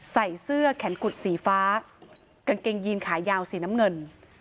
ใส่เสื้อแขนกุดสีฟ้ากางเกงยีนขายาวสีน้ำเงิน